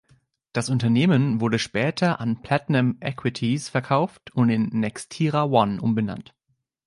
Das Unternehmen wurde später an Platinum Equities verkauft und in NextiraOne umbenannt.